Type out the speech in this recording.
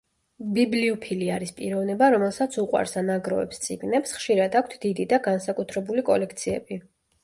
ბიბლიოფილი არის პიროვნება, რომელსაც უყვარს ან აგროვებს წიგნებს, ხშირად აქვთ დიდი და განსაკუთრებული კოლექციები.